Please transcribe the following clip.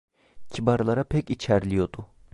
Kibarlara pek içerliyordu.